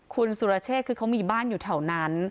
คุณสุรเชษคือเขามีบ้านอยู่แถวนั้น